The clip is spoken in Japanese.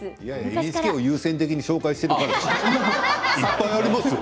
ＮＨＫを中心に紹介しているからでしょう？